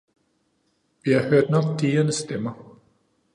Vi har hørt nok dirrende stemmer.